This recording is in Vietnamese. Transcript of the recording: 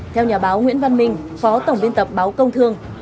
theo nhà báo nguyễn văn minh phó tổng biên tập báo công thương